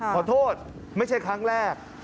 ขอโทษไม่ใช่ครั้งแรก